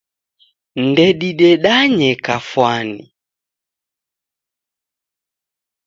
Ndedidedanye kafwani.